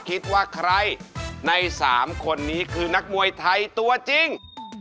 คิดว่าใครใน๓คนนี้คือนักมวยไทยตัวจริง